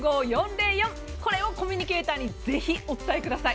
これをコミュニケーターにぜひお伝えください。